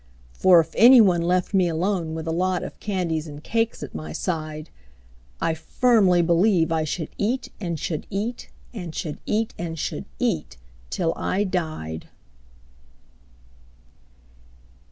For if any one left me alone with a lot Of candies and cakes at my side, I firmly believe I should eat, and should eat, And should eat, and should eat, till I died.